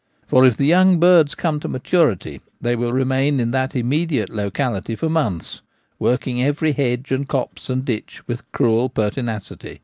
For if the young birds come to maturity they will remain in that immediate locality for months, working every hedge and copse and ditch with cruel pertinacity.